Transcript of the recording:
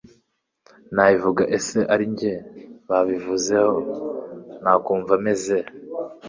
nabivuga Ese ari nge babivuzeho nakumva meze